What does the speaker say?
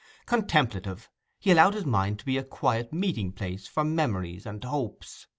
Contemplative, he allowed his mind to be a quiet meeting place for memories and hopes.